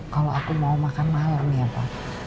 kalau aku mau makan malam ya pa